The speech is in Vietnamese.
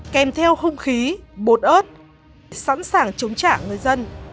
kèm theo hung khí bột ớt sẵn sàng chống trả người dân